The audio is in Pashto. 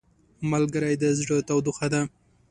ملګری د زړه تودوخه ده